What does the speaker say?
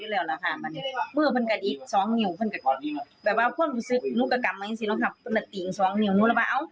แล้วเพื่อนเรายังไงห้องฟังครับ